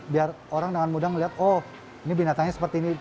biar orang dengan mudah melihat oh ini binatangnya seperti ini